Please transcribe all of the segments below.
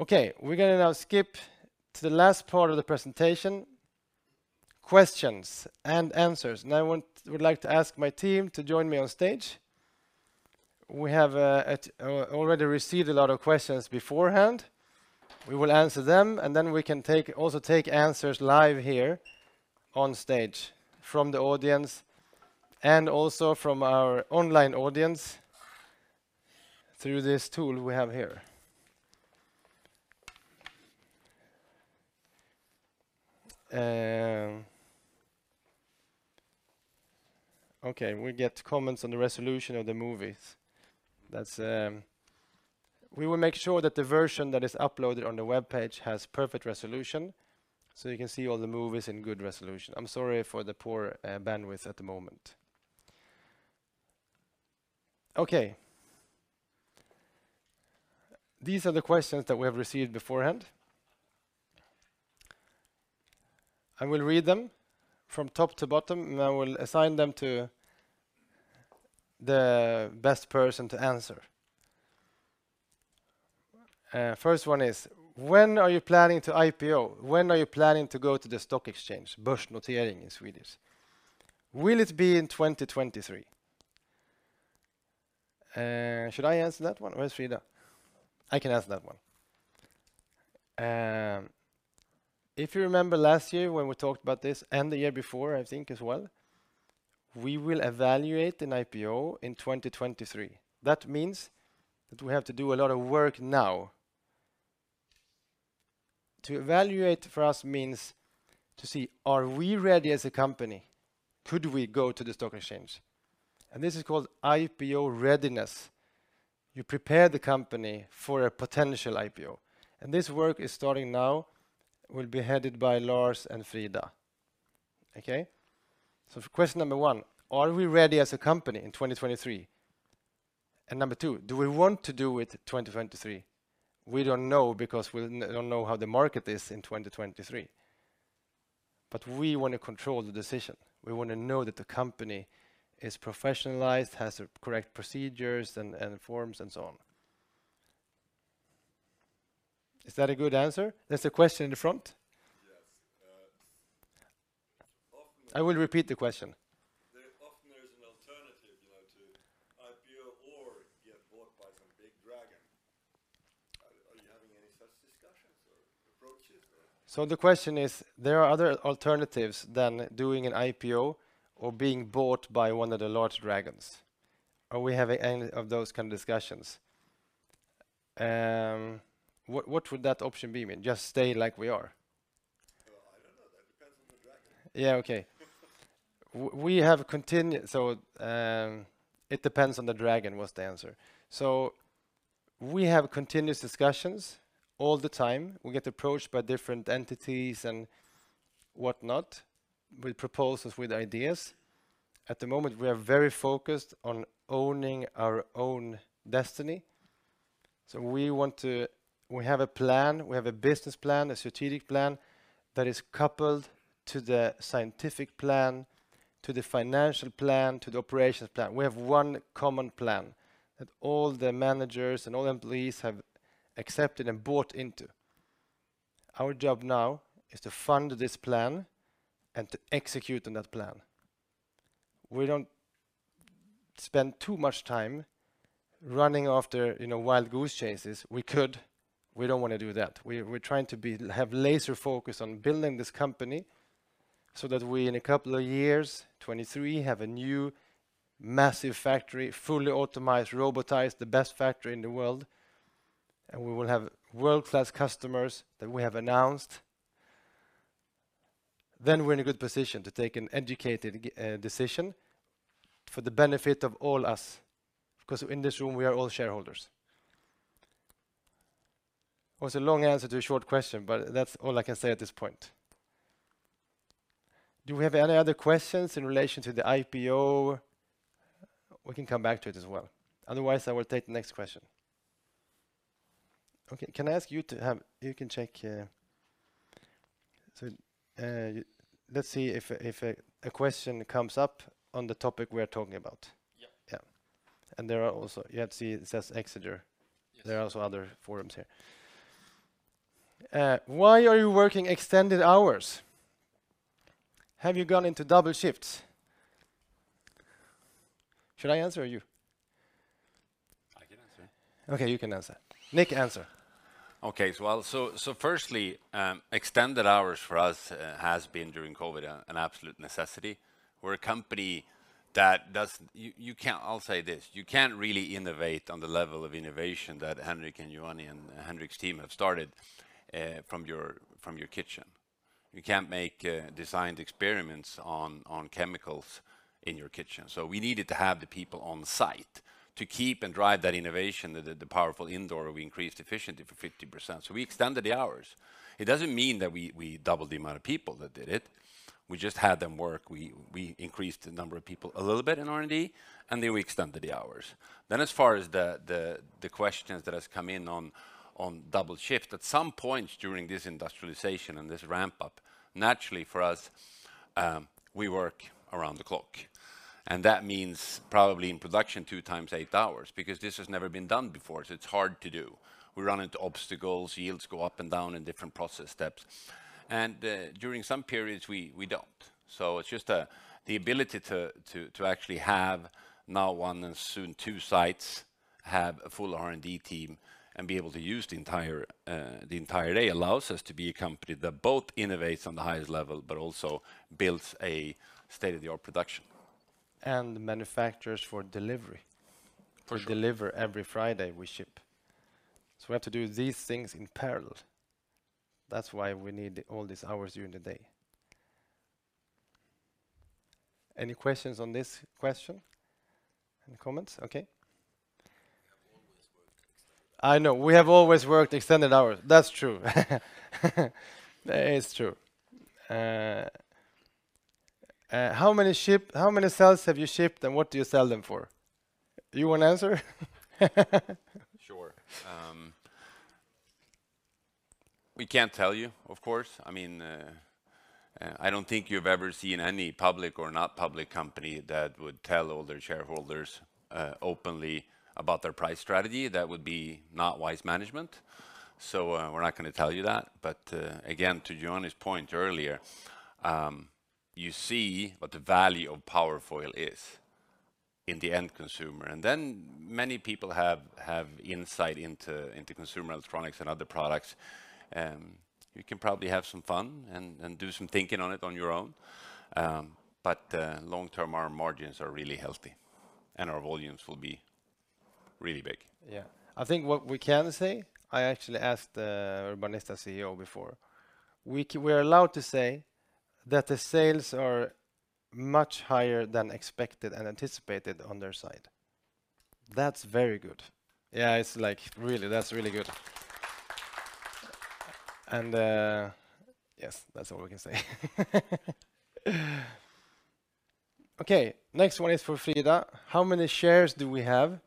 Okay, we're gonna now skip to the last part of the presentation, questions and answers. I would like to ask my team to join me on stage. We have already received a lot of questions beforehand. We will answer them, and then we can also take answers live here on stage from the audience and also from our online audience through this tool we have here. Okay, we get comments on the resolution of the movies. That's. We will make sure that the version that is uploaded on the webpage has perfect resolution, so you can see all the movies in good resolution. I'm sorry for the poor bandwidth at the moment. Okay. These are the questions that we have received beforehand. I will read them from top to bottom, and I will assign them to the best person to answer. First one is, when are you planning to IPO? When are you planning to go to the stock exchange? Börsnotering in Swedish. Will it be in 2023? Should I answer that one or Frida? I can answer that one. If you remember last year when we talked about this and the year before, I think as well, we will evaluate an IPO in 2023. That means that we have to do a lot of work now. To evaluate for us means to see, are we ready as a company? Could we go to the stock exchange? This is called IPO readiness. You prepare the company for a potential IPO, and this work is starting now, will be headed by Lars and Frida. Okay? Question number one, are we ready as a company in 2023? Number two, do we want to do it 2023? We don't know because we don't know how the market is in 2023. We want to control the decision. We wanna know that the company is professionalized, has the correct procedures and forms, and so on. Is that a good answer? There's a question in the front. Yes. I will repeat the question. Often there is an alternative, you know, to IPO or get bought by some big dragon. Are you having any such discussions or approaches? The question is, there are other alternatives than doing an IPO or being bought by one of the large dragons. Are we having any of those kind of discussions? What would that option be, I mean, just stay like we are? Well, I don't know. That depends on the dragon. Yeah. Okay. We have continuous discussions all the time. It depends on the dragon was the answer. We get approached by different entities and whatnot with proposals, with ideas. At the moment, we are very focused on owning our own destiny, we have a plan, we have a business plan, a strategic plan that is coupled to the scientific plan, to the financial plan, to the operations plan. We have one common plan that all the managers and all the employees have accepted and bought into. Our job now is to fund this plan and to execute on that plan. We don't spend too much time running after, you know, wild goose chases. We could. We don't wanna do that. We're trying to have laser focus on building this company so that we, in a couple of years, 2023, have a new massive factory, fully automated, robotized, the best factory in the world, and we will have world-class customers that we have announced. Then we're in a good position to take an educated decision for the benefit of all of us, 'cause in this room, we are all shareholders. It was a long answer to a short question, but that's all I can say at this point. Do we have any other questions in relation to the IPO? We can come back to it as well. Otherwise, I will take the next question. Okay. Can I ask you to have. You can check. So, let's see if a question comes up on the topic we are talking about. Yeah. Yeah. Yeah. See, it says Exeger. Yes. There are also other forums here. Why are you working extended hours? Have you gone into double shifts? Should I answer or you? I can answer. Okay, you can answer. Nick, answer. Okay. Well, firstly, extended hours for us has been during COVID an absolute necessity. We're a company that does. I'll say this. You can't really innovate on the level of innovation that Henrik and Giovanni and Henrik's team have started from your kitchen. You can't make designed experiments on chemicals in your kitchen. We needed to have the people on site to keep and drive that innovation that the Powerfoyle indoor, we increased efficiency by 50%, so we extended the hours. It doesn't mean that we doubled the amount of people that did it. We just had them work. We increased the number of people a little bit in R&D, and then we extended the hours. As far as the questions that has come in on double shift, at some point during this industrialization and this ramp-up, naturally for us, we work around the clock, and that means probably in production two times eight hours, because this has never been done before, so it's hard to do. We run into obstacles, yields go up and down in different process steps. During some periods we don't. So it's just the ability to actually have now one and soon two sites, have a full R&D team, and be able to use the entire day allows us to be a company that both innovates on the highest level but also builds a state-of-the-art production. Manufacturers for delivery. For sure. To deliver every Friday we ship. We have to do these things in parallel. That's why we need all these hours during the day. Any questions on this question? Any comments? Okay. We have always worked extended hours. I know. We have always worked extended hours. That's true. It's true. How many cells have you shipped, and what do you sell them for? You wanna answer? Sure. We can't tell you, of course. I mean, I don't think you've ever seen any public or not public company that would tell all their shareholders openly about their price strategy. That would be not wise management. We're not gonna tell you that. Again, to Johnny's point earlier, you see what the value of Powerfoyle is in the end consumer. Then many people have insight into consumer electronics and other products. You can probably have some fun and do some thinking on it on your own. Long term, our margins are really healthy, and our volumes will be really big. Yeah. I think what we can say, I actually asked Urbanista CEO before. We're allowed to say that the sales are much higher than expected and anticipated on their side. That's very good. Yeah, it's like, really, that's really good. Yes, that's all we can say. Okay, next one is for Frida. How many shares do we have,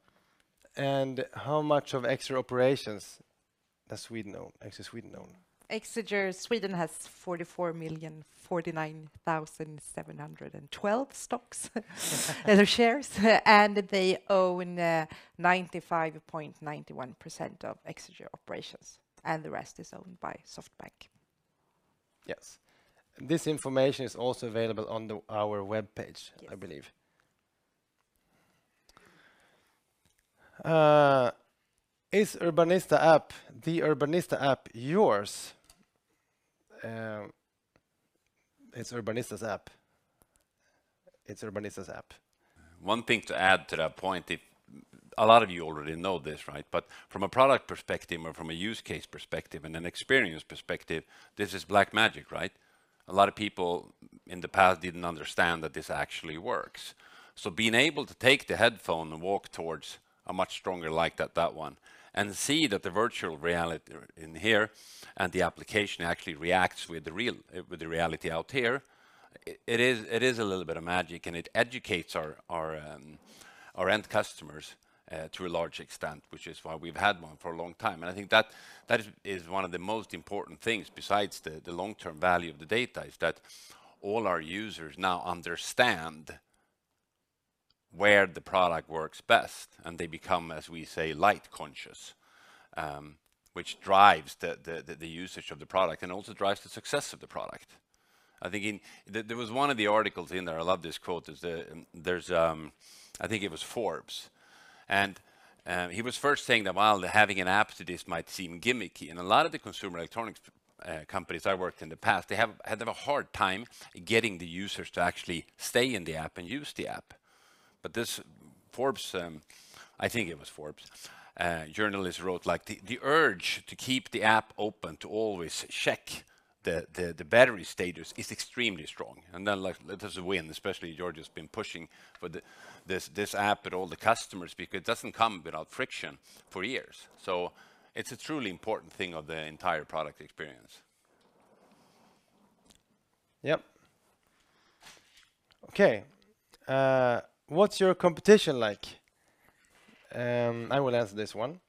and how much of Exeger Operations does Exeger Sweden own? Exeger Sweden has 44,049,712 shares. They own 95.91% of Exeger Operations, and the rest is owned by SoftBank. Yes. This information is also available on our webpage. Yes. I believe. Is the Urbanista app yours? It's Urbanista's app. One thing to add to that point, if a lot of you already know this, right? From a product perspective or from a use case perspective and an experience perspective, this is black magic, right? A lot of people in the past didn't understand that this actually works. Being able to take the headphone and walk towards a much stronger light at that one and see that the virtual reality in here and the application actually reacts with the reality out here, it is a little bit of magic, and it educates our end customers to a large extent, which is why we've had one for a long time. I think that is one of the most important things besides the long-term value of the data, is that all our users now understand where the product works best, and they become, as we say, light conscious, which drives the usage of the product and also drives the success of the product. I think there was one of the articles in there. I love this quote. It's the, there's, I think it was Forbes. He was first saying that while having an app to this might seem gimmicky, and a lot of the consumer electronics companies I worked in the past, they have a hard time getting the users to actually stay in the app and use the app. This Forbes, I think it was Forbes, journalist wrote, like, "The urge to keep the app open to always check the battery status is extremely strong." Like, that is a win, especially Georgios's been pushing for this app to all the customers because it doesn't come without friction for years. It's a truly important thing of the entire product experience. Yep. Okay. What's your competition like? I will answer this one.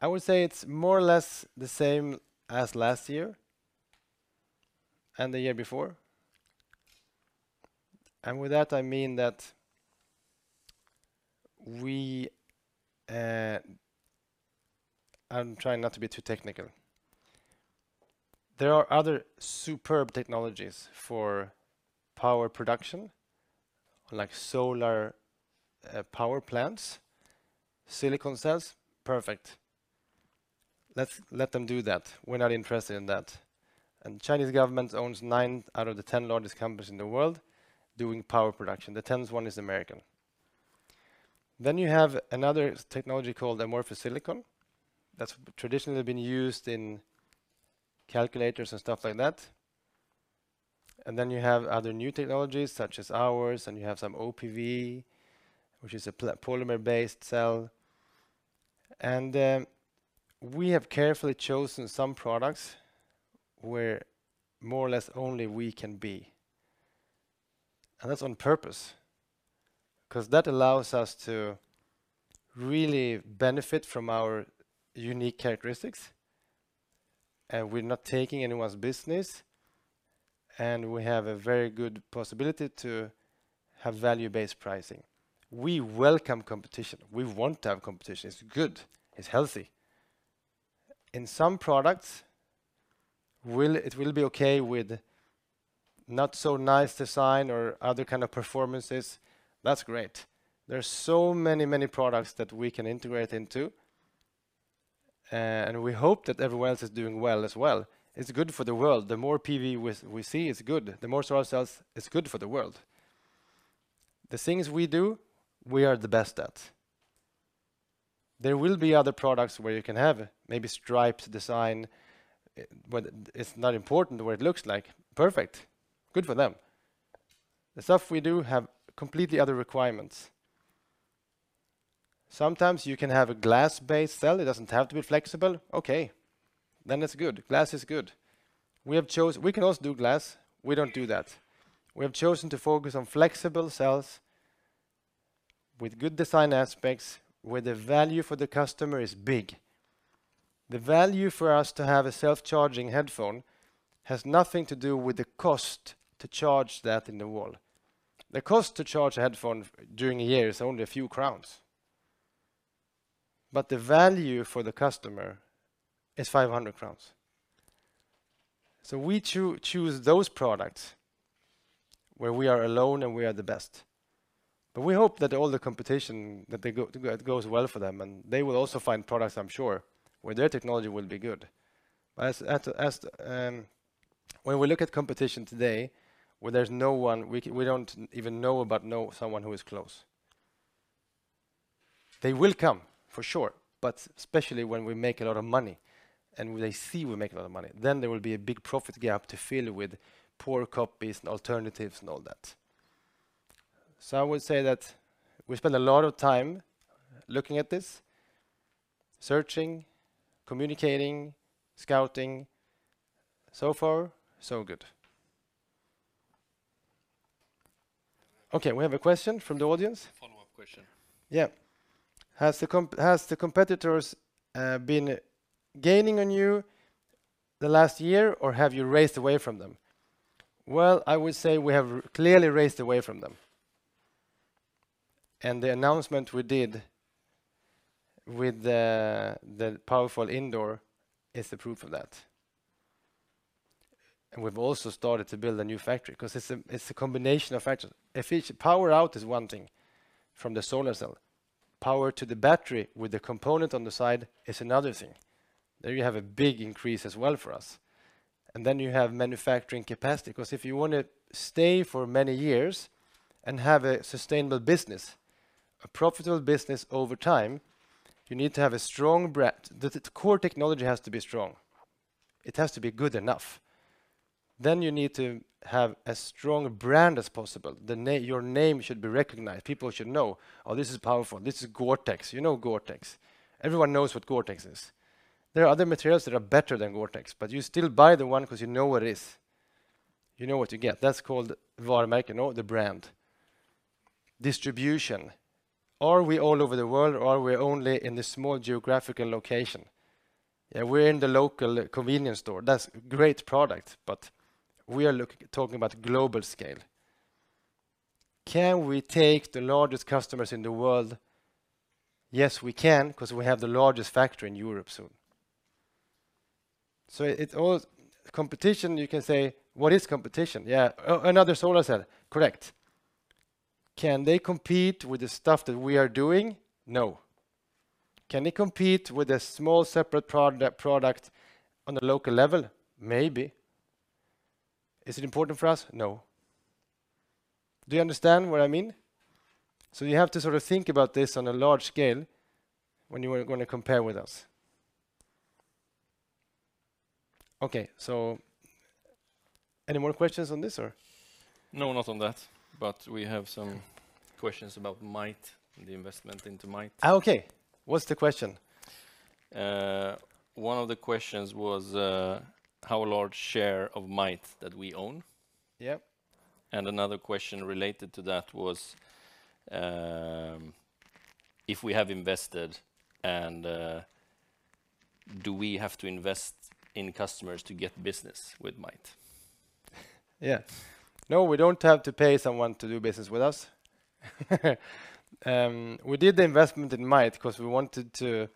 I would say it's more or less the same as last year and the year before. With that, I mean that we. I'm trying not to be too technical. There are other superb technologies for power production, like solar power plants, silicon cells. Perfect. Let's let them do that. We're not interested in that. Chinese government owns nine out of the 10 largest companies in the world doing power production. The tenth one is American. Then you have another technology called amorphous silicon that's traditionally been used in calculators and stuff like that. Then you have other new technologies such as ours, and you have some OPV, which is a polymer-based cell. We have carefully chosen some products where more or less only we can be. And that's on purpose 'cause that allows us to really benefit from our unique characteristics, and we're not taking anyone's business, and we have a very good possibility to have value-based pricing. We welcome competition. We want to have competition. It's good. It's healthy. In some products, it will be okay with not so nice design or other kind of performances. That's great. There's so many, many products that we can integrate into, and we hope that everyone else is doing well as well. It's good for the world. The more PV we see, it's good. The more solar cells, it's good for the world. The things we do, we are the best at. There will be other products where you can have maybe stripes design, but it's not important what it looks like. Perfect. Good for them. The stuff we do have completely other requirements. Sometimes you can have a glass-based cell. It doesn't have to be flexible. Okay, then it's good. Glass is good. We can also do glass. We don't do that. We have chosen to focus on flexible cells with good design aspects, where the value for the customer is big. The value for us to have a self-charging headphone has nothing to do with the cost to charge that in the wall. The cost to charge a headphone during a year is only a few SEK, but the value for the customer is 500 crowns. We choose those products where we are alone and we are the best. We hope that all the competition, that it goes well for them, and they will also find products, I'm sure, where their technology will be good. When we look at competition today, where there's no one, we don't even know about someone who is close. They will come, for sure, but especially when we make a lot of money and they see we make a lot of money, then there will be a big profit gap to fill with poor copies and alternatives and all that. I would say that we spend a lot of time looking at this, searching, communicating, scouting. So far, so good. Okay, we have a question from the audience. Follow-up question. Yeah. Has the competitors been gaining on you the last year, or have you raced away from them? Well, I would say we have clearly raced away from them. The announcement we did with the Powerfoyle indoor is the proof of that. We've also started to build a new factory 'cause it's a combination of factors. If power output is one thing from the solar cell. Power to the battery with the component on the side is another thing. There you have a big increase as well for us. You have manufacturing capacity, 'cause if you wanna stay for many years and have a sustainable business, a profitable business over time, you need to have a strong brand. The core technology has to be strong. It has to be good enough. You need to have as strong a brand as possible. Your name should be recognized. People should know, "Oh, this is Powerfoyle. This is GORE-TEX." You know GORE-TEX. Everyone knows what GORE-TEX is. There are other materials that are better than GORE-TEX, but you still buy the one because you know what it is. You know what you get. That's called varumärke. No, the brand. Distribution. Are we all over the world or are we only in this small geographical location? Yeah, we're in the local convenience store. That's great product, but we are talking about global scale. Can we take the largest customers in the world? Yes, we can, 'cause we have the largest factory in Europe soon. So it all. Competition, you can say, what is competition? Yeah, another solar cell. Correct. Can they compete with the stuff that we are doing? No. Can they compete with a small separate product on a local level? Maybe. Is it important for us? No. Do you understand what I mean? You have to sort of think about this on a large scale when you are gonna compare with us. Okay, so any more questions on this or? No, not on that, but we have some questions about Mayht and the investment into Mayht. Okay. What's the question? One of the questions was, how large a share of Mayht that we own. Yep. Another question related to that was, if we have invested and do we have to invest in customers to get business with Mayht? Yeah. No, we don't have to pay someone to do business with us. We did the investment in Mayht 'cause we wanted to.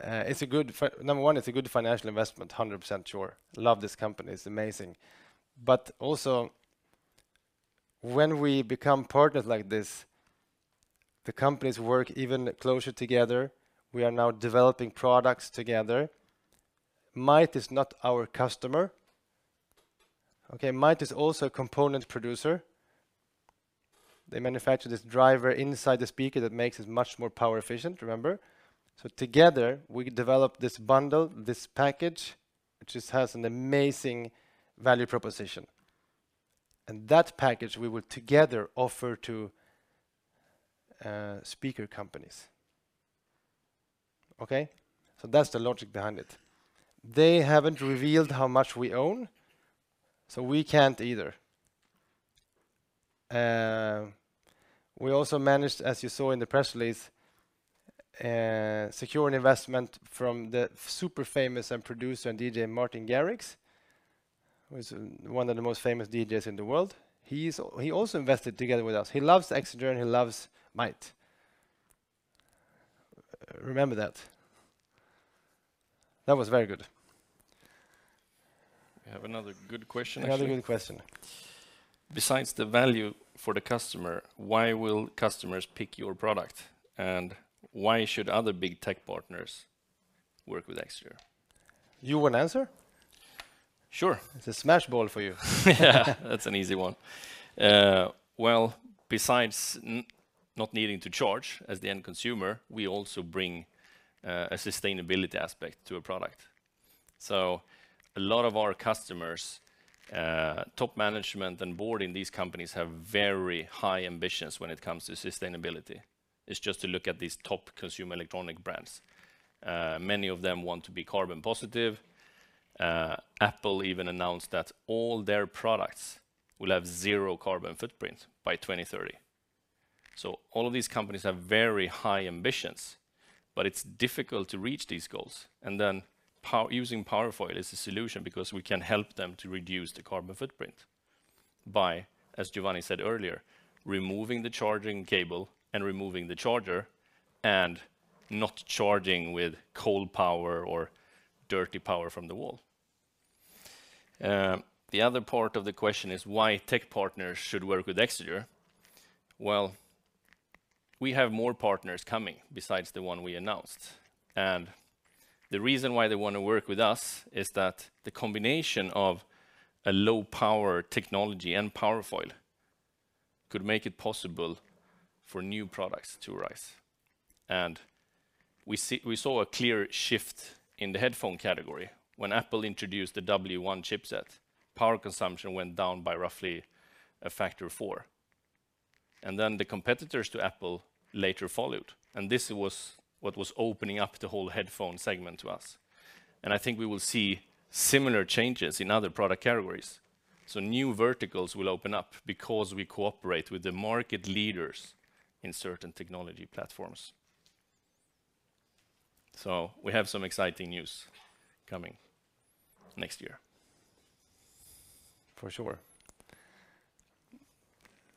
It's a good financial investment, 100% sure. Love this company. It's amazing. Also, when we become partners like this, the companies work even closer together. We are now developing products together. Mayht is not our customer. Okay? Mayht is also a component producer. They manufacture this driver inside the speaker that makes it much more power efficient, remember? Together, we developed this bundle, this package, which just has an amazing value proposition. That package we will together offer to speaker companies. Okay? That's the logic behind it. They haven't revealed how much we own, so we can't either. We also managed, as you saw in the press release, secure an investment from the super famous producer and DJ Martin Garrix, who is one of the most famous DJs in the world. He also invested together with us. He loves Exeger, and he loves Mayht. Remember that. That was very good. We have another good question, actually. Another good question. Besides the value for the customer, why will customers pick your product? Why should other big tech partners work with Exeger? You wanna answer? Sure. It's a smash ball for you. Yeah, that's an easy one. Well, besides not needing to charge as the end consumer, we also bring a sustainability aspect to a product. A lot of our customers, top management and board in these companies have very high ambitions when it comes to sustainability. It's just to look at these top consumer electronics brands. Many of them want to be carbon positive. Apple even announced that all their products will have zero carbon footprint by 2030. All of these companies have very high ambitions, but it's difficult to reach these goals. Using Powerfoyle is a solution because we can help them to reduce the carbon footprint by, as Giovanni said earlier, removing the charging cable and removing the charger and not charging with coal power or dirty power from the wall. The other part of the question is why tech partners should work with Exeger. Well, we have more partners coming besides the one we announced. The reason why they wanna work with us is that the combination of a low power technology and Powerfoyle could make it possible for new products to rise. We saw a clear shift in the headphone category when Apple introduced the W1 chip, power consumption went down by roughly a factor of four. Then the competitors to Apple later followed. This was what was opening up the whole headphone segment to us. I think we will see similar changes in other product categories. New verticals will open up because we cooperate with the market leaders in certain technology platforms. We have some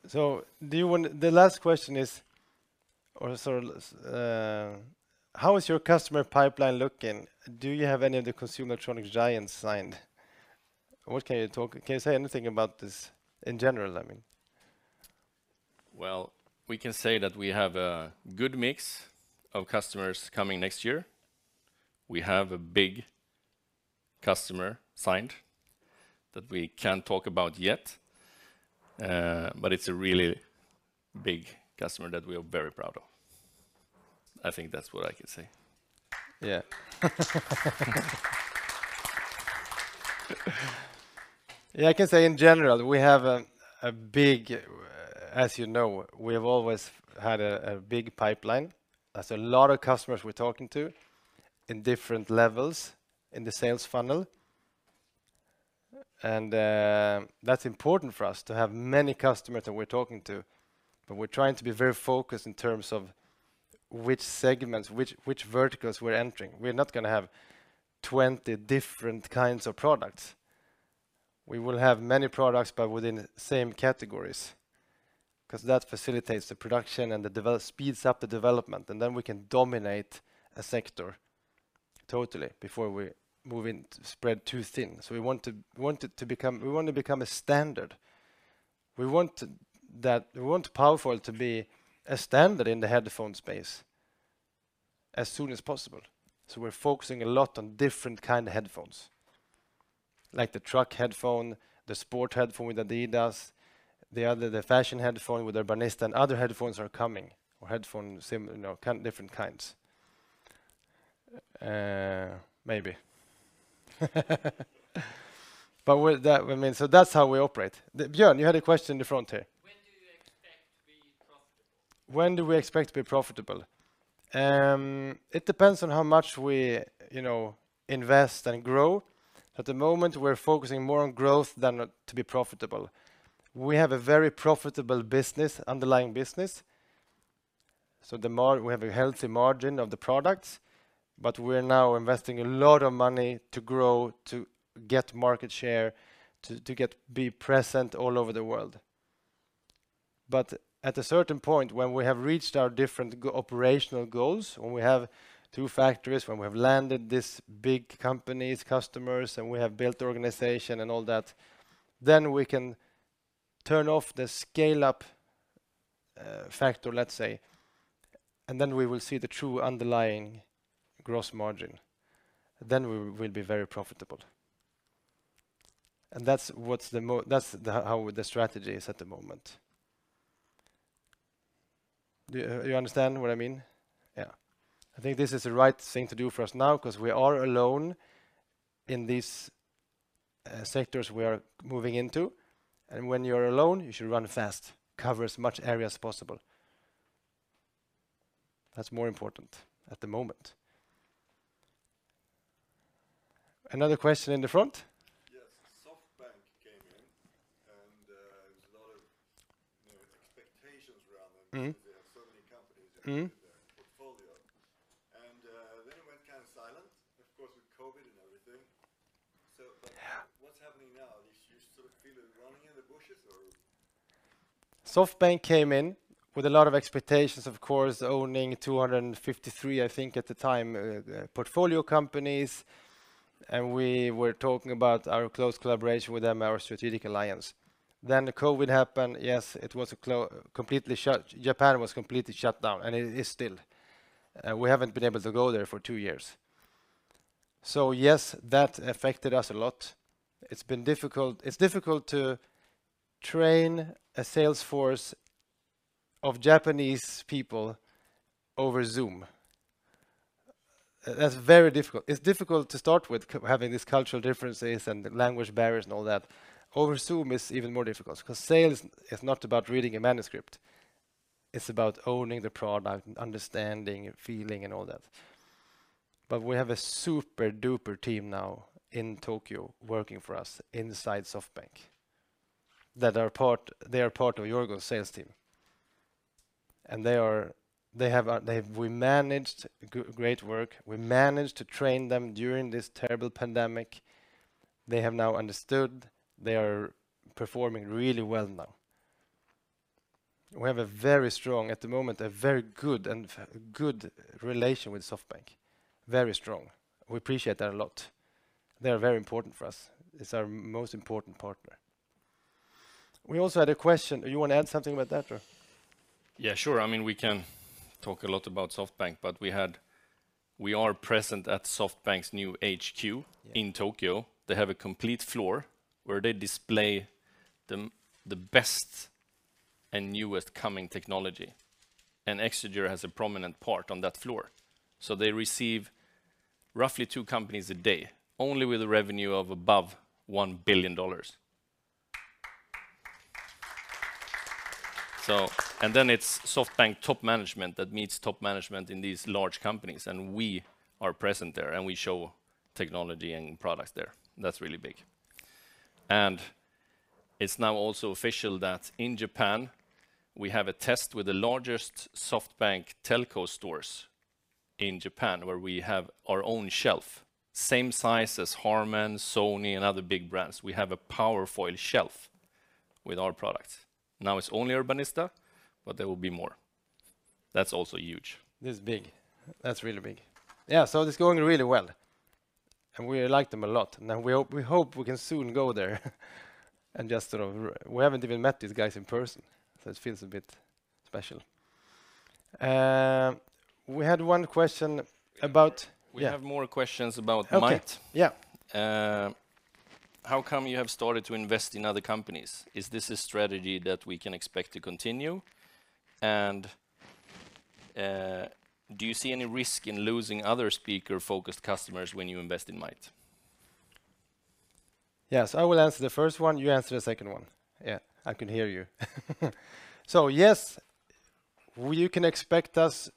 exciting news coming next year. For sure. The last question is, or sort of, how is your customer pipeline looking? Do you have any of the consumer electronics giants signed? Can you say anything about this in general, I mean? Well, we can say that we have a good mix of customers coming next year. We have a big customer signed that we can't talk about yet, but it's a really big customer that we are very proud of. I think that's what I could say. Yeah. Yeah, I can say in general, we have a big pipeline. As you know, we have always had a big pipeline. That's a lot of customers we're talking to in different levels in the sales funnel. That's important for us to have many customers that we're talking to, but we're trying to be very focused in terms of which segments, which verticals we're entering. We're not gonna have 20 different kinds of products. We will have many products, but within the same categories, 'cause that facilitates the production and speeds up the development, and then we can dominate a sector totally before we move on to spread too thin. We want to become a standard. We want Powerfoyle to be a standard in the headphone space as soon as possible. We're focusing a lot on different kind of headphones, like the truck headphone, the sport headphone with adidas, the other, the fashion headphone with Urbanista, and other headphones are coming, you know, kind of different kinds. With that, we mean, that's how we operate. Björn, you had a question in the front here. When do you expect to be profitable? When do we expect to be profitable? It depends on how much we, you know, invest and grow. At the moment, we're focusing more on growth than to be profitable. We have a very profitable business, underlying business. We have a healthy margin of the products, but we're now investing a lot of money to grow, to get market share, to be present all over the world. But at a certain point, when we have reached our different operational goals, when we have two factories, when we have landed these big companies, customers, and we have built the organization and all that, then we can turn off the scale-up factor, let's say, and then we will see the true underlying gross margin. Then we will be very profitable. That's how the strategy is at the moment. Do you understand what I mean? Yeah. I think this is the right thing to do for us now because we are alone in these sectors we are moving into. When you're alone, you should run fast, cover as much area as possible. That's more important at the moment. Another question in the front? Yes. SoftBank came in, and there was a lot of, you know, expectations around them. Mm-hmm They have so many companies. Mm-hmm. Their portfolio. Then it went kind of silent, of course, with COVID and everything. Yeah. What's happening now? You sort of feel it running in the bushes or? SoftBank came in with a lot of expectations, of course, owning 253, I think at the time, portfolio companies, and we were talking about our close collaboration with them, our strategic alliance. The COVID happened. Yes, it was completely shut. Japan was completely shut down, and it is still. We haven't been able to go there for two years. Yes, that affected us a lot. It's been difficult. It's difficult to train a sales force of Japanese people over Zoom. That's very difficult. It's difficult to start with having these cultural differences and the language barriers and all that. Over Zoom is even more difficult 'cause sales is not about reading a manuscript. It's about owning the product and understanding and feeling and all that. We have a super-duper team now in Tokyo working for us inside SoftBank. They are part of Georgios' sales team. They have a they've we managed great work. We managed to train them during this terrible pandemic. They have now understood. They are performing really well now. We have a very strong, at the moment, a very good relation with SoftBank. Very strong. We appreciate that a lot. They are very important for us. It's our most important partner. We also had a question. You want to add something about that or? Yeah, sure. I mean, we can talk a lot about SoftBank, but we are present at SoftBank's new HQ. Yeah. In Tokyo. They have a complete floor where they display the best and newest coming technology, and Exeger has a prominent part on that floor. They receive roughly two companies a day, only with a revenue of above $1 billion. It's SoftBank top management that meets top management in these large companies, and we are present there, and we show technology and products there. That's really big. It's now also official that in Japan, we have a test with the largest SoftBank telco stores in Japan, where we have our own shelf, same size as Harman, Sony, and other big brands. We have a Powerfoyle shelf with our products. Now it's only Urbanista, but there will be more. That's also huge. This is big. That's really big. Yeah, it's going really well. We like them a lot, and we hope we can soon go there and we haven't even met these guys in person. It feels a bit special. We had one question about. We have more questions about Mayht. Okay. Yeah. How come you have started to invest in other companies? Is this a strategy that we can expect to continue? Do you see any risk in losing other speaker-focused customers when you invest in Mayht? Yes. I will answer the first one. You answer the second one. Yeah, I can hear you. Yes, you can expect us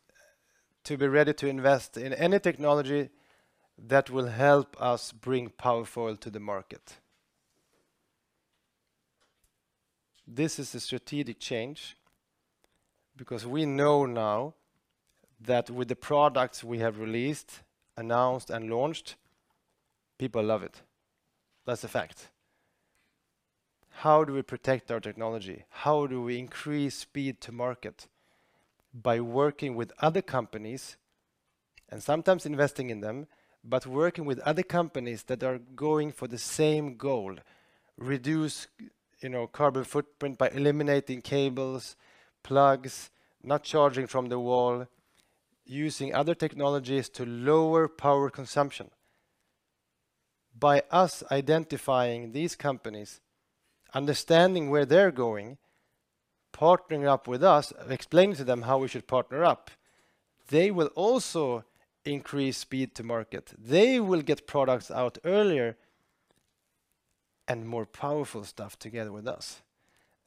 to be ready to invest in any technology that will help us bring Powerfoyle to the market. This is a strategic change because we know now that with the products we have released, announced, and launched, people love it. That's a fact. How do we protect our technology? How do we increase speed to market? By working with other companies, and sometimes investing in them, but working with other companies that are going for the same goal, reduce, you know, carbon footprint by eliminating cables, plugs, not charging from the wall, using other technologies to lower power consumption. By us identifying these companies, understanding where they're going, partnering up with us, explaining to them how we should partner up, they will also increase speed to market. They will get products out earlier and more powerful stuff together with us.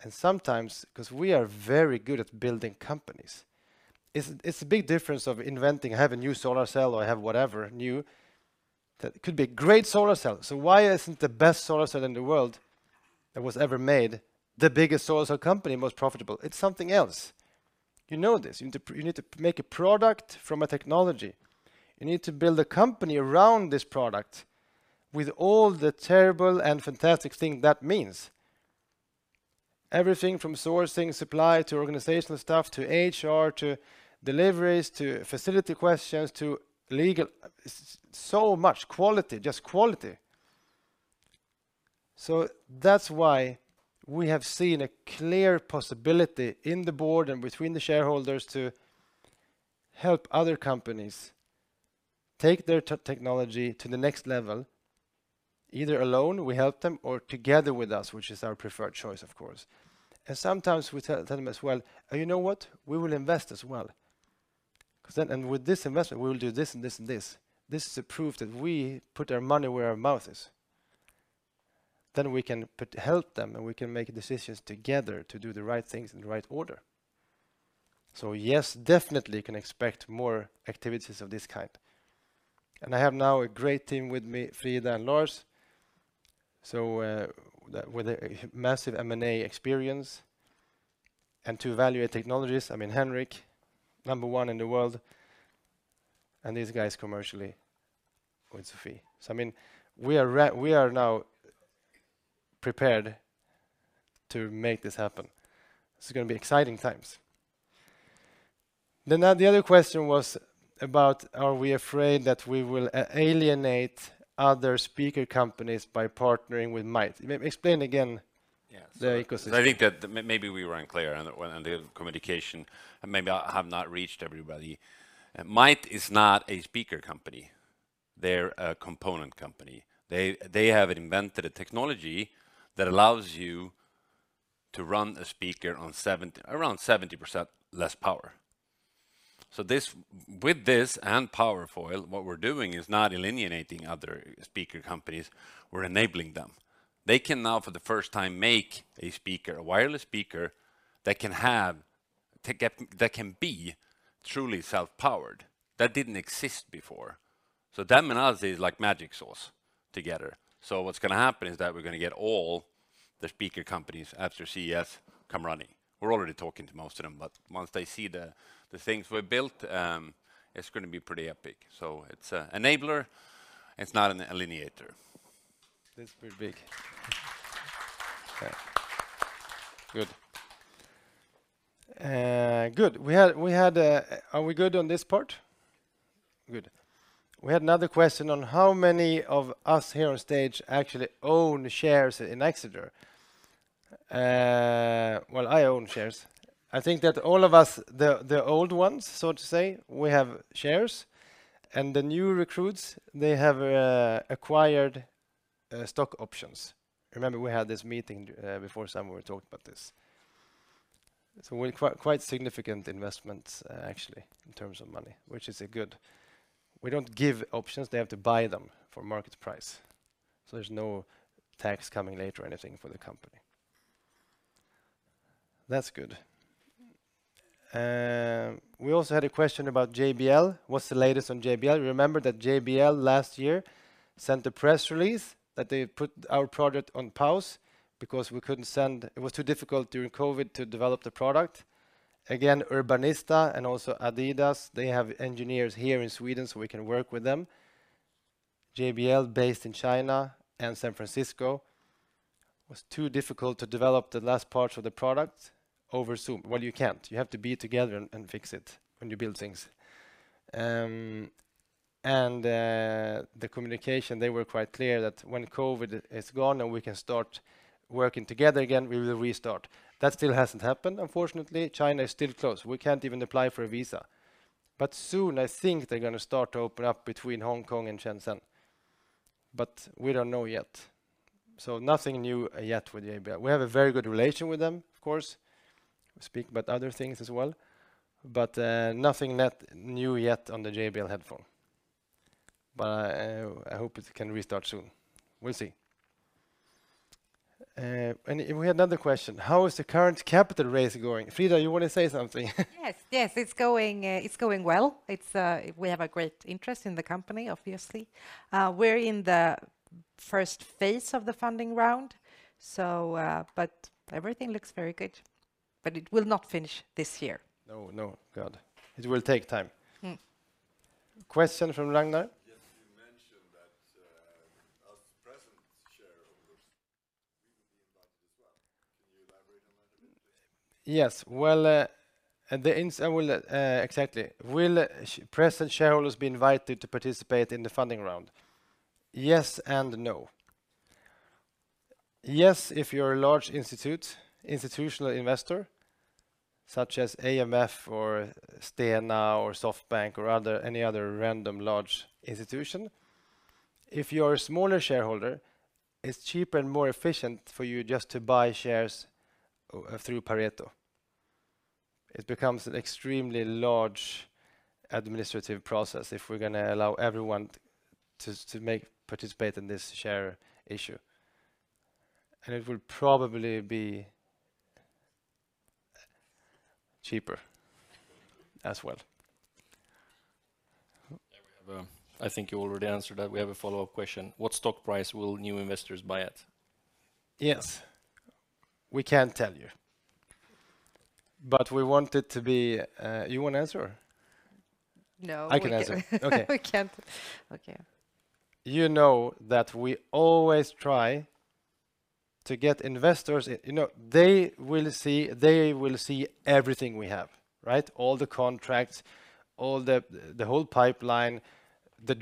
Sometimes, 'cause we are very good at building companies. It's a big difference of inventing. I have a new solar cell or I have whatever new. That could be a great solar cell. Why isn't the best solar cell in the world that was ever made the biggest solar cell company, most profitable? It's something else. You know this. You need to make a product from a technology. You need to build a company around this product with all the terrible and fantastic thing that means. Everything from sourcing, supply, to organizational stuff, to HR, to deliveries, to facility questions, to legal. So much quality, just quality. That's why we have seen a clear possibility in the board and between the shareholders to help other companies take their technology to the next level, either alone, we help them, or together with us, which is our preferred choice, of course. Sometimes we tell them as well, "You know what? We will invest as well." 'Cause then with this investment, we will do this and this and this. This is a proof that we put our money where our mouth is. We can help them, and we can make decisions together to do the right things in the right order. Yes, definitely can expect more activities of this kind. I have now a great team with me, Frida and Lars, so that with a massive M&A experience and to evaluate technologies, I mean, Henrik, number one in the world, and these guys commercially with Sophie. I mean, we are now prepared to make this happen. This is gonna be exciting times. Now the other question was about, are we afraid that we will alienate other speaker companies by partnering with Mayht? Explain again. Yeah. The ecosystem. I think that maybe we were unclear on the communication, and maybe I have not reached everybody. Mayht is not a speaker company. They're a component company. They have invented a technology that allows you to run a speaker on around 70% less power. With this and Powerfoyle, what we're doing is not alienating other speaker companies, we're enabling them. They can now, for the first time, make a speaker, a wireless speaker, that can be truly self-powered. That didn't exist before. Them and us is like magic sauce together. What's gonna happen is that we're gonna get all the speaker companies after CES come running. We're already talking to most of them, but once they see the things we built, it's gonna be pretty epic. It's an enabler, it's not an alienator. This is pretty big. Okay. Good. Good. We had a, are we good on this part? Good. We had another question on how many of us here on stage actually own shares in Exeger. Well, I own shares. I think that all of us, the old ones, so to say, we have shares, and the new recruits, they have acquired stock options. Remember we had this meeting before summer, we talked about this. Quite significant investments, actually, in terms of money, which is good. We don't give options, they have to buy them for market price. So there's no tax coming later or anything for the company. That's good. We also had a question about JBL. What's the latest on JBL? Remember that JBL last year sent a press release that they put our product on pause because we couldn't send. It was too difficult during COVID to develop the product. Again, Urbanista and also adidas, they have engineers here in Sweden, so we can work with them. JBL, based in China and San Francisco, was too difficult to develop the last parts of the product over Zoom. Well, you can't. You have to be together and fix it when you build things. The communication, they were quite clear that when COVID is gone and we can start working together again, we will restart. That still hasn't happened, unfortunately. China is still closed. We can't even apply for a visa. Soon, I think they're gonna start to open up between Hong Kong and Shenzhen. We don't know yet. Nothing new yet with JBL. We have a very good relation with them, of course. We speak about other things as well. Nothing new yet on the JBL headphone. I hope it can restart soon. We'll see. We had another question: How is the current capital raise going? Frida, you wanna say something? Yes. It's going well. We have a great interest in the company, obviously. We're in the first phase of the funding round, so, but everything looks very good. It will not finish this year. No, no. God. It will take time. Mm. Question from Ragnar? Yes. You mentioned that, us present shareholders, we will be invited as well. Can you elaborate on that a bit, please? Will present shareholders be invited to participate in the funding round? Yes and no. Yes, if you're a large institutional investor, such as AMF or Stena or SoftBank or other any other random large institution. If you're a smaller shareholder, it's cheaper and more efficient for you just to buy shares through Pareto. It becomes an extremely large administrative process if we're gonna allow everyone to participate in this share issue. It will probably be cheaper as well. There we have. I think you already answered that. We have a follow-up question. What stock price will new investors buy at? Yes. We can't tell you. We want it to be. You wanna answer? No, we can't. I can answer. Okay. We can't. Okay. You know that we always try to get investors. You know, they will see everything we have, right? All the contracts, the whole pipeline, the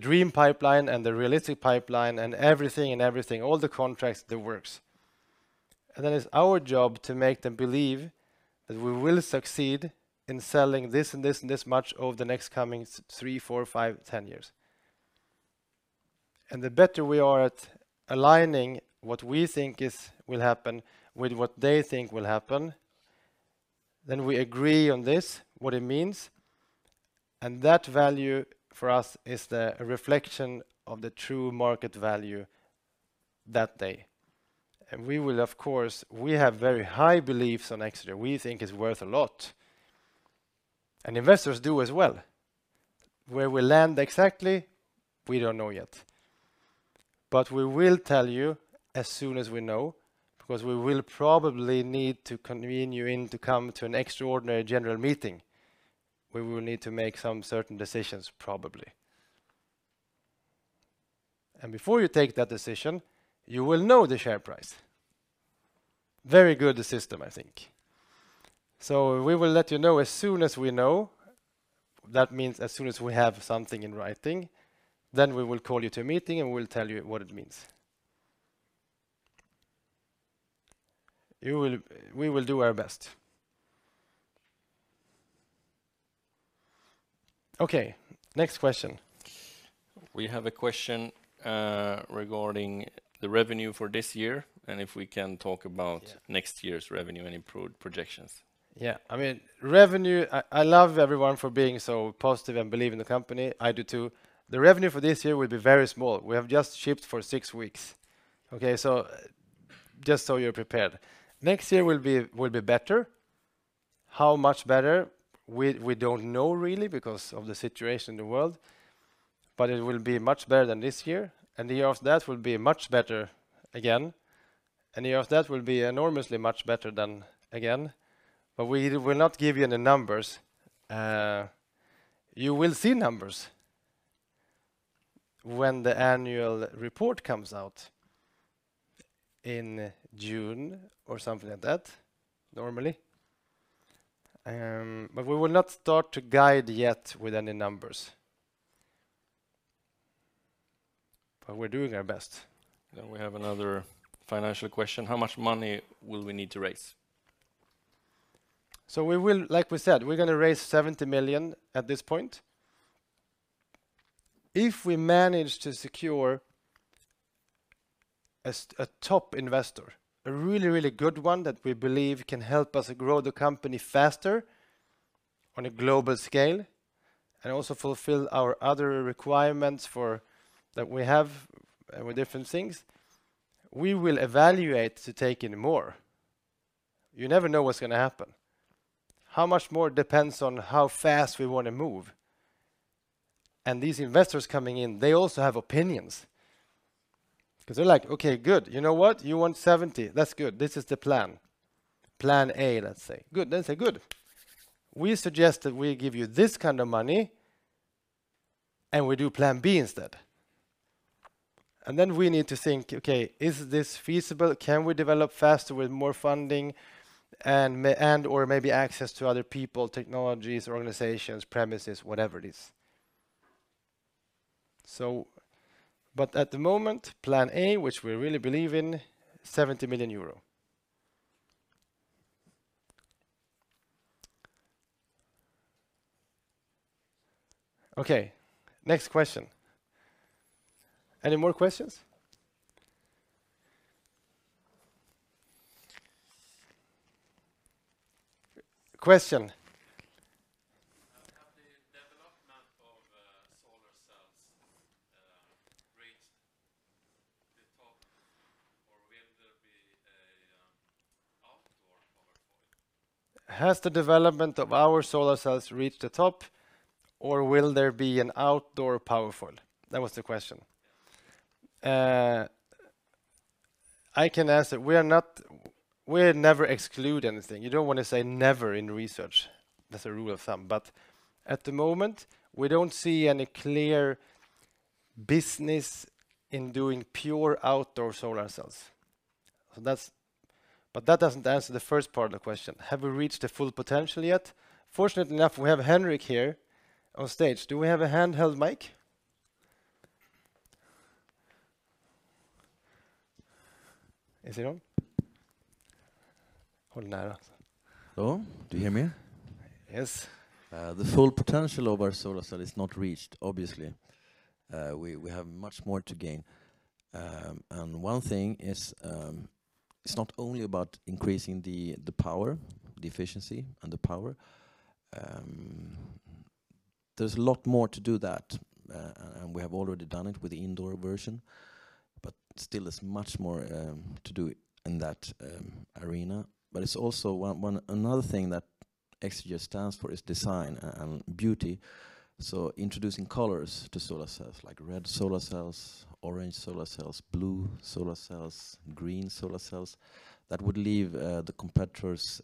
dream pipeline and the realistic pipeline and everything, all the contracts, the works. Then it's our job to make them believe that we will succeed in selling this and this and this much over the next coming three, four, five, 10 years. The better we are at aligning what we think is will happen with what they think will happen, then we agree on this, what it means, and that value for us is the reflection of the true market value that day. We will, of course, we have very high beliefs on Exeger. We think it's worth a lot, and investors do as well. Where we land exactly, we don't know yet. We will tell you as soon as we know, because we will probably need to convene you in to come to an extraordinary general meeting, where we will need to make some certain decisions, probably. Before you take that decision, you will know the share price. Very good system, I think. We will let you know as soon as we know. That means as soon as we have something in writing, then we will call you to a meeting and we'll tell you what it means. We will do our best. Okay, next question. We have a question regarding the revenue for this year. Yeah. Next year's revenue and improved projections. Yeah. I mean, revenue, I love everyone for being so positive and believe in the company. I do, too. The revenue for this year will be very small. We have just shipped for six weeks, okay? So just so you're prepared. Next year will be better. How much better? We don't know really because of the situation in the world, but it will be much better than this year, and the year of that will be much better again. The year of that will be enormously much better than again. We will not give you any numbers. You will see numbers when the annual report comes out in June or something like that, normally. We will not start to guide yet with any numbers. We're doing our best. We have another financial question. How much money will we need to raise? Like we said, we're going to raise 70 million at this point. If we manage to secure a top investor, a really good one that we believe can help us grow the company faster on a global scale and also fulfill our other requirements that we have with different things, we will evaluate to take in more. You never know what's going to happen. How much more depends on how fast we want to move, and these investors coming in, they also have opinions because they're like, "Okay, good. You know what? You want 70. That's good. This is the plan." Plan A, let's say. Good. Then say, "Good. We suggest that we give you this kind of money, and we do plan B instead." Then we need to think, "Okay, is this feasible? Can we develop faster with more funding and/or maybe access to other people, technologies, organizations, premises, whatever it is?" At the moment, plan A, which we really believe in, 70 million euro. Okay, next question. Any more questions? Question. Have the development of solar cells reached the top, or will there be a outdoor Powerfoyle? Has the development of our solar cells reached the top, or will there be an outdoor Powerfoyle? That was the question. Yes. I can answer. We never exclude anything. You don't want to say never in research. That's a rule of thumb. But at the moment, we don't see any clear business in doing pure outdoor solar cells. But that doesn't answer the first part of the question. Have we reached the full potential yet? Fortunately enough, we have Henrik here on stage. Do we have a handheld mic? Is it on? Hold nearer. Hello. Do you hear me? Yes. The full potential of our solar cell is not reached, obviously. We have much more to gain. One thing is, it's not only about increasing the power, the efficiency and the power. There's a lot more to do that, and we have already done it with the indoor version, but still there's much more to do in that arena. It's also another thing that Exeger stands for is design and beauty. Introducing colors to solar cells, like red solar cells, orange solar cells, blue solar cells, green solar cells, that would leave the competitors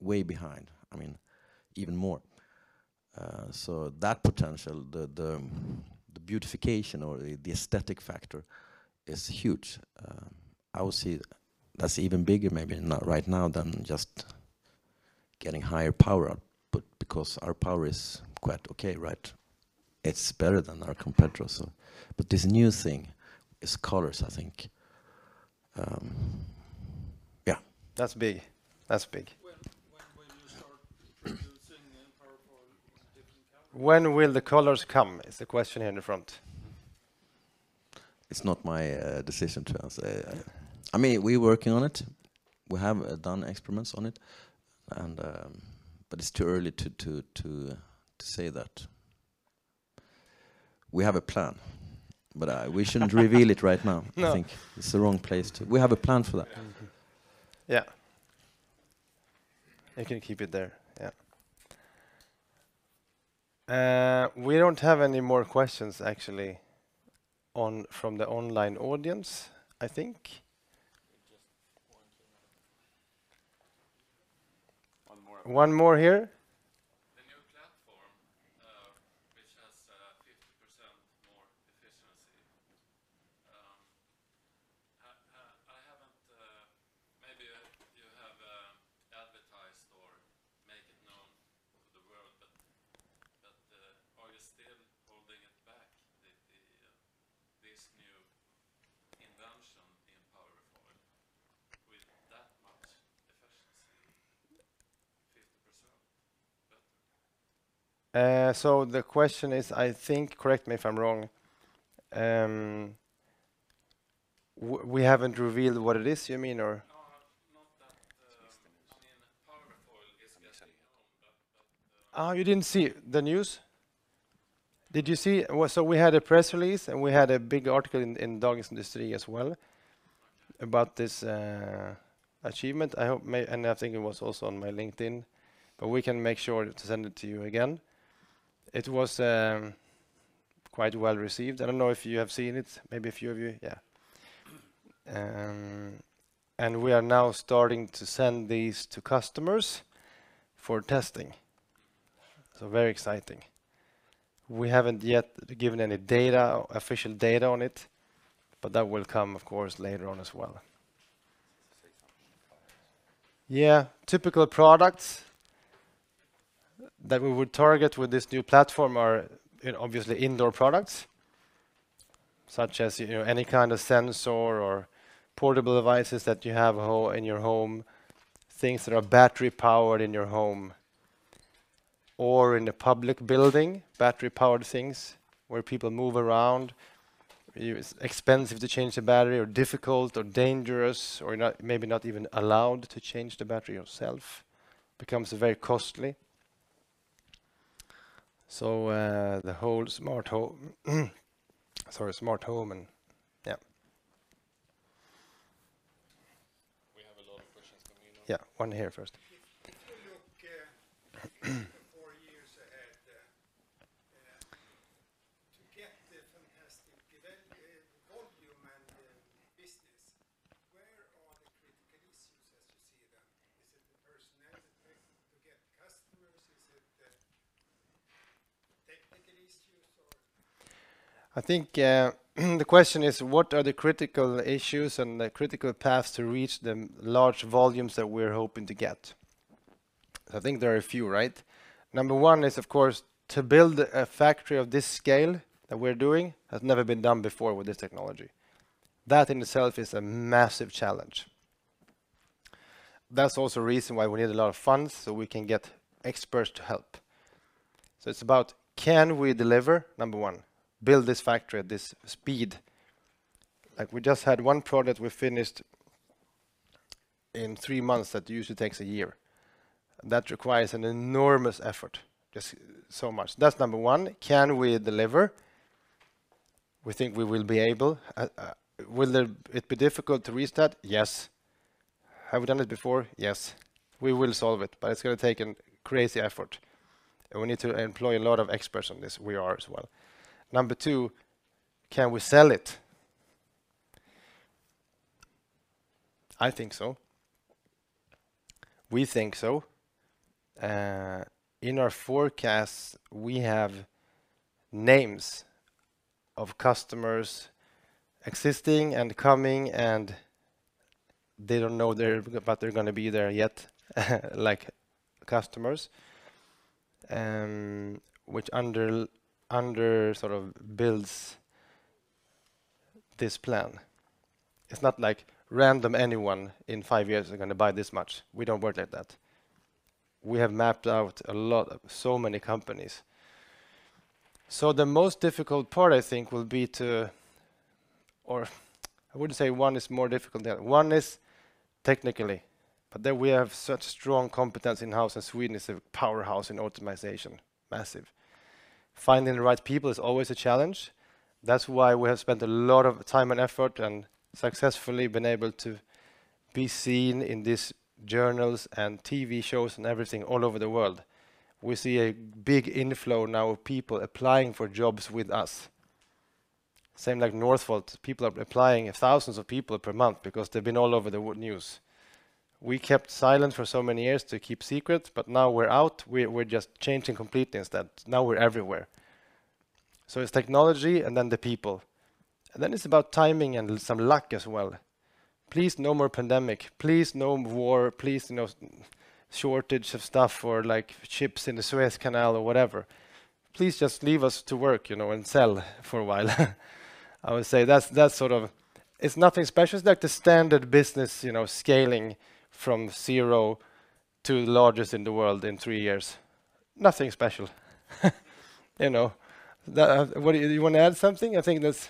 way behind. I mean, even more. That potential, the beautification or the aesthetic factor is huge. I would say that's even bigger, maybe not right now, than just getting higher power, but because our power is quite okay, right? It's better than our competitors. This new thing is colors, I think. Yeah. That's big. When will the colors come? Is the question here in the front. It's not my decision to answer. I mean, we working on it. We have done experiments on it, and but it's too early to say that. We have a plan, but we shouldn't reveal it right now. No. I think it's the wrong place. We have a plan for that. Yeah. You can keep it there. Yeah. We don't have any more questions actually from the online audience, I think. Just one more. One more here. The new platform, which has 50% more efficiency. I haven't. Maybe you have advertised or make it known over the world, but are you still holding it back, the this new invention in Powerfoyle with that much efficiency, 50% better? The question is, I think, correct me if I'm wrong, we haven't revealed what it is you mean or? No, not that. I mean, Powerfoyle is getting known, but. Oh, you didn't see the news? We had a press release, and we had a big article in Dagens industri as well about this achievement. I think it was also on my LinkedIn, but we can make sure to send it to you again. It was quite well-received. I don't know if you have seen it. Maybe a few of you. Yeah. We are now starting to send these to customers for testing. Very exciting. We haven't yet given any data, official data on it, but that will come, of course, later on as well. To say something about this.{guess] Yeah. Typical products that we would target with this new platform are, you know, obviously indoor products, such as, you know, any kind of sensor or portable devices that you have in your home, things that are battery-powered in your home or in a public building, battery-powered things where people move around. It's expensive to change the battery or difficult or dangerous, or maybe not even allowed to change the battery yourself. It becomes very costly. The whole smart home. We have a lot of questions coming on. Yeah. One here first. If you look four years ahead to get the fantastic volume and business, where are the critical issues as you see them? Is it the personnel it takes to get customers? Is it the technical issues or? I think, the question is, what are the critical issues and the critical paths to reach the large volumes that we're hoping to get? I think there are a few, right? Number one is, of course, to build a factory of this scale that we're doing has never been done before with this technology. That in itself is a massive challenge. That's also a reason why we need a lot of funds, so we can get experts to help. It's about can we deliver, number one, build this factory at this speed? Like, we just had one product we finished in three months that usually takes a year. That requires an enormous effort. Just so much. That's number one. Can we deliver? We think we will be able. Will it be difficult to restart? Yes. Have we done it before? Yes. We will solve it, but it's gonna take a crazy effort, and we need to employ a lot of experts on this. We are as well. Number two, can we sell it? I think so. We think so. In our forecasts, we have names of customers existing and coming, and they don't know they're, but they're gonna be there yet, like customers, which under sort of builds this plan. It's not like random anyone in five years is gonna buy this much. We don't work like that. We have mapped out a lot, so many companies. The most difficult part, I think, will be to. Or I wouldn't say one is more difficult than. One is technically, but then we have such strong competence in-house, and Sweden is a powerhouse in optimization. Massive. Finding the right people is always a challenge. That's why we have spent a lot of time and effort and successfully been able to be seen in these journals and TV shows and everything all over the world. We see a big inflow now of people applying for jobs with us. Same like Northvolt, people are applying, thousands of people per month because they've been all over the world news. We kept silent for so many years to keep secret, but now we're out, we're just changing completely instead. Now we're everywhere. It's technology and then the people. It's about timing and some luck as well. Please, no more pandemic. Please, no more war. Please, no shortage of stuff or, like, ships in the Suez Canal or whatever. Please just leave us to work, you know, and sell for a while. I would say that's sort of. It's nothing special. It's like the standard business, you know, scaling from zero to largest in the world in three years. Nothing special. You know. You wanna add something? I think that's.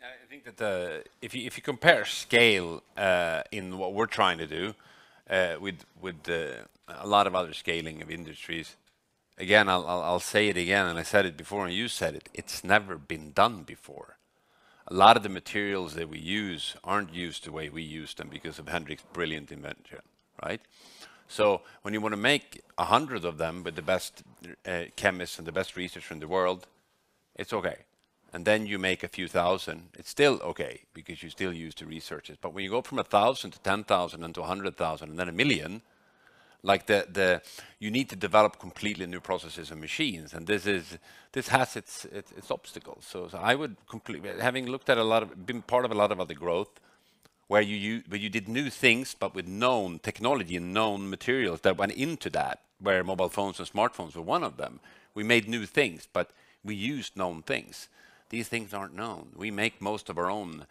I think that if you compare scale in what we're trying to do with a lot of other scaling of industries, again, I'll say it again, and I said it before, and you said it's never been done before. A lot of the materials that we use aren't used the way we use them because of Henrik's brilliant invention, right? When you wanna make 100 of them with the best chemists and the best researchers in the world, it's okay. Then you make a few thousand, it's still okay because you still use the researchers. When you go from 1,000 to 10,000 and to 100,000 and then 1 million, like, you need to develop completely new processes and machines, and this has its obstacles. Having looked at a lot of been part of a lot of other growth where you did new things but with known technology and known materials that went into that, where mobile phones and smartphones were one of them, we made new things, but we used known things. These things aren't known. We make most of our own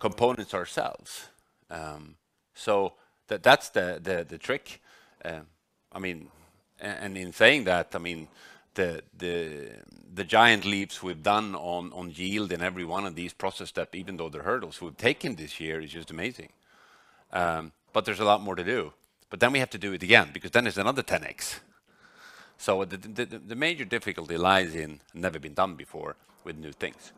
components ourselves. That's the trick. I mean, and in saying that, I mean, the giant leaps we've done on yield in every one of these process step, even though they're hurdles, we've taken this year is just amazing. But there's a lot more to do. But then we have to do it again because then there's another 10x. The major difficulty lies in never been done before with new things.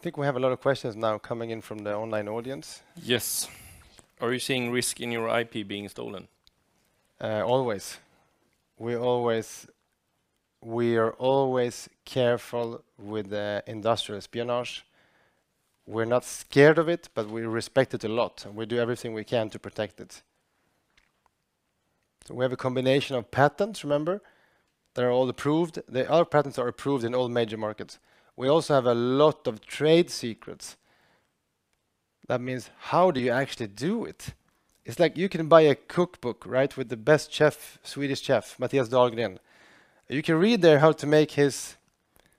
I think we have a lot of questions now coming in from the online audience. Yes. Are you seeing risk in your IP being stolen? Always. We are always careful with the industrial espionage. We're not scared of it, but we respect it a lot, and we do everything we can to protect it. We have a combination of patents, remember? They're all approved. Our patents are approved in all major markets. We also have a lot of trade secrets. That means how do you actually do it? It's like you can buy a cookbook, right? With the best chef, Swedish chef, Mathias Dahlgren. You can read there how to make his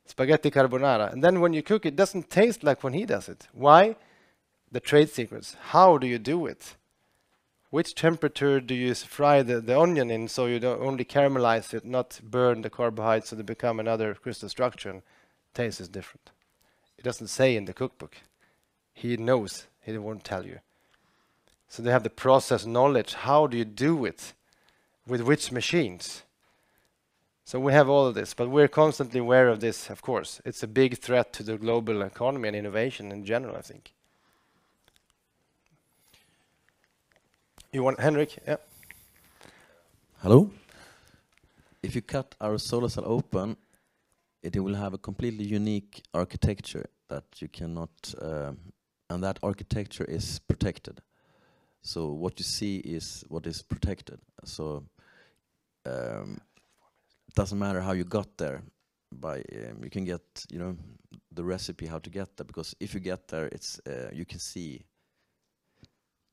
spaghetti carbonara, and then when you cook, it doesn't taste like when he does it. Why? The trade secrets. How do you do it? Which temperature do you fry the onion in so you only caramelize it, not burn the carbohydrates so they become another crystal structure and taste is different? It doesn't say in the cookbook. He knows. He won't tell you. They have the process knowledge. How do you do it? With which machines? We have all of this, but we're constantly aware of this, of course. It's a big threat to the global economy and innovation in general, I think. You want, Henrik? Yeah. Hello. If you cut our solar cell open, it will have a completely unique architecture that you cannot. That architecture is protected. What you see is what is protected. Doesn't matter how you got there by. You can get, you know, the recipe how to get there, because if you get there, it's you can see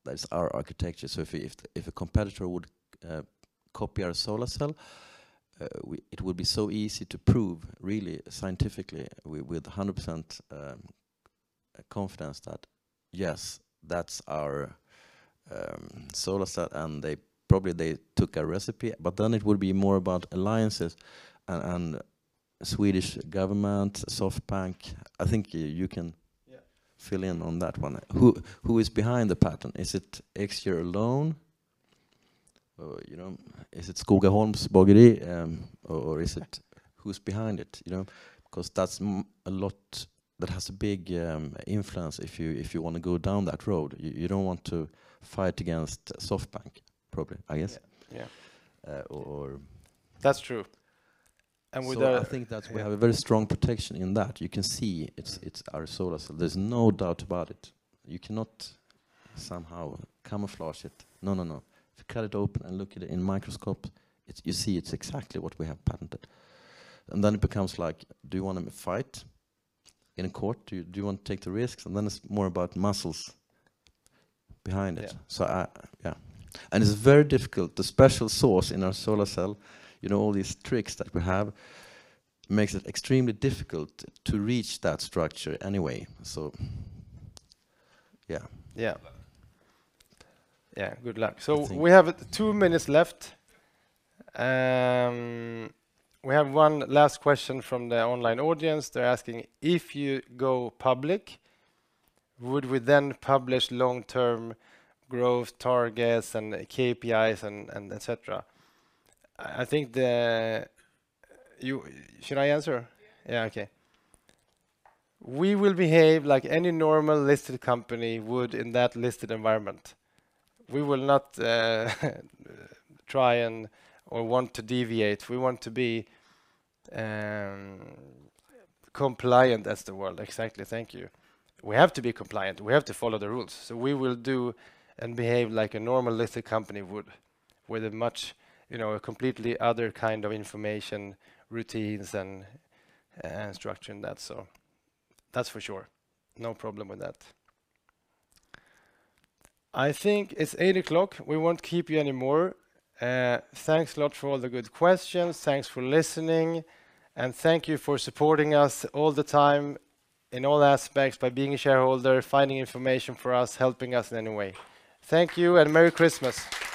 that it's our architecture. If a competitor would copy our solar cell, it would be so easy to prove really scientifically with 100% confidence that, yes, that's our solar cell, and they probably took our recipe. Then it would be more about alliances and Swedish government, SoftBank. I think you can. Yeah. Fill in on that one. Who is behind the patent? Is it Exeger alone? Or, you know, is it Skogaholms Bageri, or is it? Who's behind it, you know? 'Cause that's a lot that has a big influence if you wanna go down that road. You don't want to fight against SoftBank probably, I guess. Yeah. Uh, or. That's true. I think that we have a very strong protection in that. You can see it's our solar cell. There's no doubt about it. You cannot somehow camouflage it. No, no. If you cut it open and look at it in microscope, you see it's exactly what we have patented. Then it becomes like, do you wanna fight in court? Do you want to take the risks? Then it's more about muscles behind it. Yeah. It's very difficult. The special sauce in our solar cell, you know, all these tricks that we have, makes it extremely difficult to reach that structure anyway, yeah. Yeah. Yeah. Good luck. I think. We have two minutes left. We have one last question from the online audience. They're asking, "If you go public, would we then publish long-term growth targets and KPIs and et cetera?" Should I answer? Yeah. Yeah, okay. We will behave like any normal listed company would in that listed environment. We will not try to or want to deviate. We want to be compliant. That's the word. Exactly. Thank you. We have to be compliant. We have to follow the rules. We will do and behave like a normal listed company would with a much, you know, a completely other kind of information routines and structure in that, so that's for sure. No problem with that. I think it's 8:00. We won't keep you anymore. Thanks a lot for all the good questions. Thanks for listening. Thank you for supporting us all the time in all aspects by being a shareholder, finding information for us, helping us in any way. Thank you and Merry Christmas.